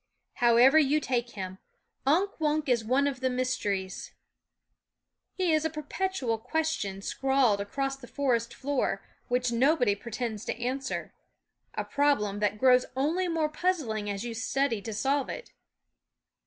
However you take him, Unk Wunk is one of the mysteries. He is a perpetual question scrawled across the forest floor, which nobody pretends to answer; a problem that grows only more puzzling as you study to solve it.